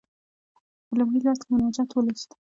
په لومړي لوست کې مناجات ولوست.